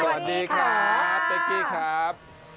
สวัสดีครับเป๊กกี้ครับ